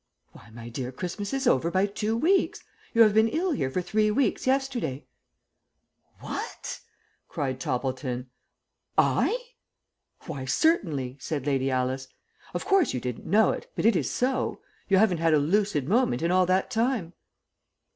"Why, my dear, Christmas is over by two weeks. You have been ill here for three weeks yesterday." "What?" cried Toppleton. "I?" "Why, certainly," said Lady Alice. "Of course, you didn't know it, but it is so. You haven't had a lucid moment in all that time."